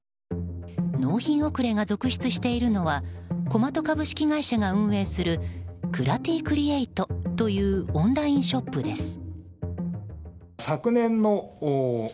納品遅れが続出しているのはＫＯＭＡＴＯ株式会社が運営するクラＴクリエイトというオンラインショップです。